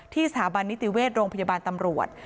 สถาบันนิติเวชโรงพยาบาลตำรวจ